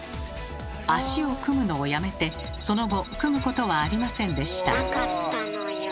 足を組むのをやめてその後組むことはありませんでした。